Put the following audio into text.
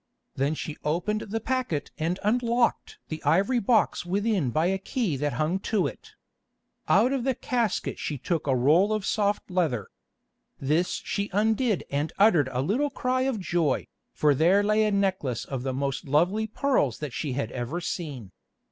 Then she opened the packet and unlocked the ivory box within by a key that hung to it. Out of the casket she took a roll of soft leather. This she undid and uttered a little cry of joy, for there lay a necklace of the most lovely pearls that she had ever seen.